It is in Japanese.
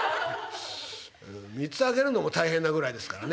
３つ挙げるのも大変なぐらいですからね